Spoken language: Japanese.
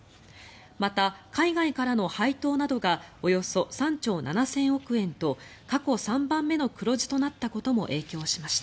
また海外からの配当などがおよそ３兆７０００億円と過去３番目の黒字となったことも影響しました。